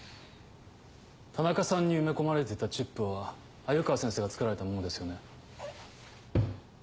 田中さんに埋め込まれてたチップは鮎川先生が作られたものですよね？